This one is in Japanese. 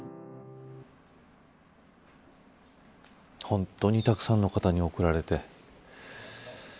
本当にたくさんの方に送られて。